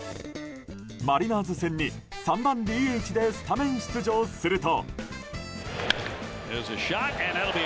マリナーズ戦に３番ＤＨでスタメン出場すると。